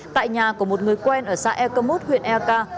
tại nhà của một người quen ở xã ekeli huyện eka